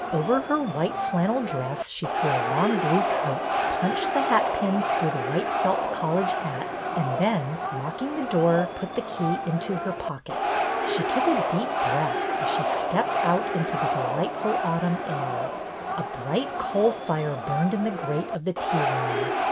Over her white flannel dress she threw a long IN THE TEA ROOM 229 blue coat, punched the hatpins through the white felt college hat, and then, locking the door, put the key into her pocket. She took a deep breath as she stepped out into the delightful autumn air. A bright coal fire burned in the grate of the tea room.